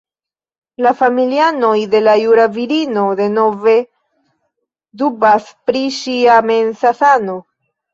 La familianoj de la juna virino denove dubas pri ŝia mensa sano.